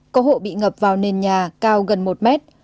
có hộ bị ngập vào nền nhà cao gần một mét